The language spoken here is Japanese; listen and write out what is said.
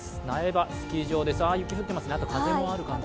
苗場スキー場です。